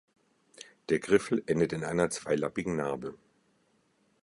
Der Griffel endet in einer zweilappigen Narbe.